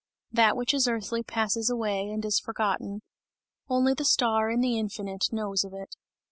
That which is earthly passes away, and is forgotten; only the star in the infinite knows of it.